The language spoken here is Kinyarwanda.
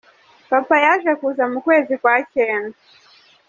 Papa yaje kuza mu kwezi kwa cyenda.